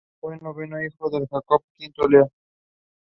It can be and apparently has been moved.